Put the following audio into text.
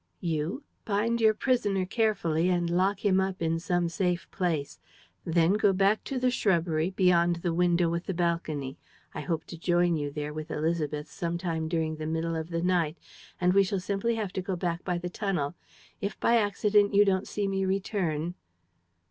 "You? Bind your prisoner carefully and lock him up in some safe place. Then go back to the shrubbery beyond the window with the balcony. I hope to join you there with Élisabeth some time during the middle of the night; and we shall simply have to go back by the tunnel. If by accident you don't see me return